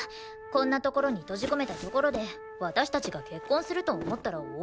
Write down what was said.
こんな所に閉じ込めたところで私たちが結婚すると思ったら大間違いよ！